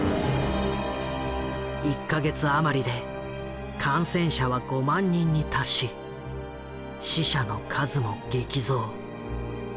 １か月余りで感染者は５万人に達し死者の数も激増。